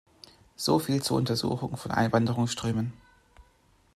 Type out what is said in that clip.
So viel zur Untersuchung von Einwanderungsströmen.